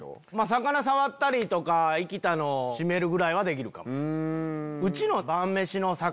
魚触ったりとか生きたのを締めるぐらいはできる。